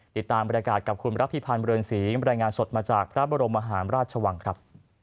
ติดตามบรรยากาศกับคุณรับพิพันธ์เรือนศรีบรรยายงานสดมาจากพระบรมมหาราชวังครับ